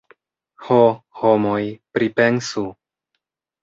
Ho, homoj, pripensu!